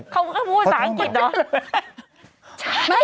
เค้าดูคุณสังกิจหรอ